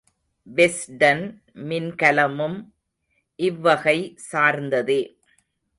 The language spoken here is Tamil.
வெஸ்டன் மின்கலமும் இவ்வகை சார்ந்ததே.